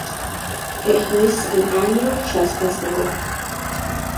It hosts an annual chess festival.